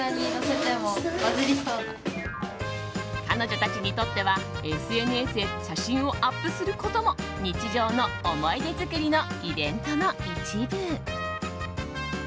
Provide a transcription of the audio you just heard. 彼女たちにとってはＳＮＳへ写真をアップすることも日常の思い出作りのイベントの一部。